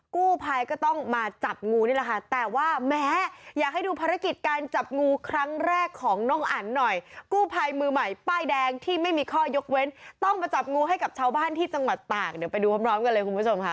กู้ภัยก็ต้องมาจับงูนี่แหละค่ะแต่ว่าแม้อยากให้ดูภารกิจการจับงูครั้งแรกของน้องอันหน่อยกู้ภัยมือใหม่ป้ายแดงที่ไม่มีข้อยกเว้นต้องมาจับงูให้กับชาวบ้านที่จังหวัดตากเดี๋ยวไปดูพร้อมกันเลยคุณผู้ชมค่ะ